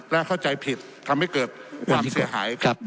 และเข้าใจผิดทำให้เกิดความเสียหายครับ